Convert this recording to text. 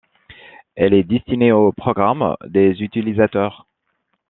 Elle est destinée aux programmes des utilisateurs.